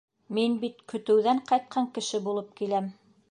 Мин бит көтөүҙән ҡайтҡан кеше булып киләм.